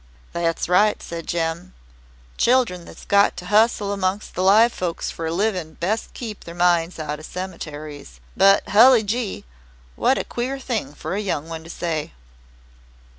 "That's right," said Jem. "Children that's got to hustle about among live folks for a livin' best keep their minds out of cemeteries. But, Hully Gee, what a queer thing for a young one to say."